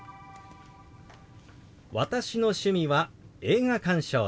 「私の趣味は映画鑑賞です」。